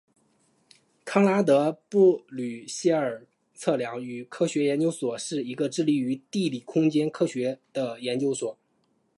康拉德布吕歇尔测量与科学研究所是一个致力于地理空间科学的研究所。